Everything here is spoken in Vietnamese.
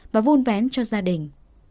và vun vén cho gia đình